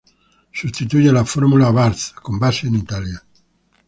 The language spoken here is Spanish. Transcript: Sustituye a la Fórmula Abarth con base en Italia.